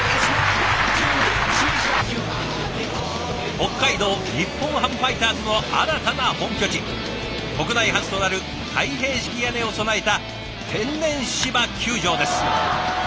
北海道日本ハムファイターズの新たな本拠地国内初となる開閉式屋根を備えた天然芝球場です。